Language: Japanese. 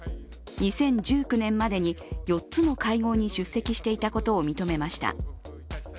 ２０１９年までに４つの会合に出席していたことを認めました。